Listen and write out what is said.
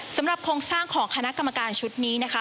โครงสร้างของคณะกรรมการชุดนี้นะคะ